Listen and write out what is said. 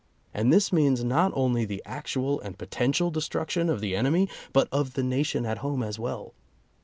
And this means not only the actual and potential destruction of the enemy, but of the nation at home as well.